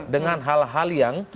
dengan hal hal yang